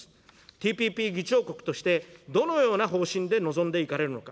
ＴＰＰ議長国として、どのような方針で臨んでいかれるのか。